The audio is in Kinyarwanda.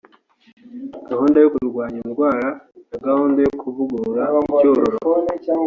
gahunda yo kurwanya indwara na gahunda yo kuvugurura icyororo